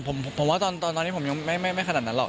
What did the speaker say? ผมว่าตอนนี้ผมยังไม่ขนาดนั้นหรอก